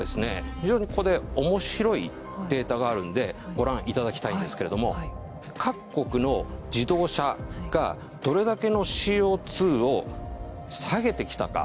非常にここでおもしろいデータがあるんでご覧いただきたいんですけれども各国の自動車がどれだけのＣＯ２を下げてきたか